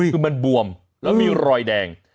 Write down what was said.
คือมันบวมแล้วมีรอยแดง